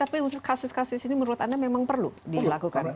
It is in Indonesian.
tapi untuk kasus kasus ini menurut anda memang perlu dilakukan